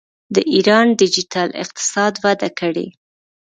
د ایران ډیجیټل اقتصاد وده کړې.